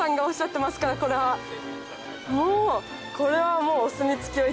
これはもう。